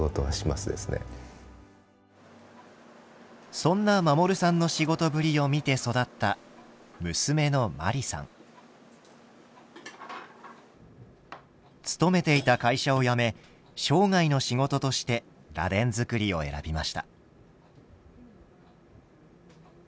そんな守さんの仕事ぶりを見て育った娘の勤めていた会社を辞め生涯の仕事として螺鈿作りを選びました。